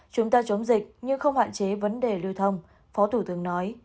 chúng ta chống dịch nhưng không hạn chế vấn đề lưu thông phó thủ tướng nói